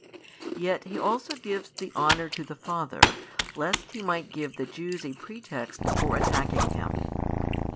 Yet He also gives the honour to the Father, lest He might give the Jews a pretext for attacking Him.